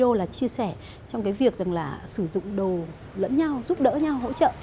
đô là chia sẻ trong cái việc rằng là sử dụng đồ lẫn nhau giúp đỡ nhau hỗ trợ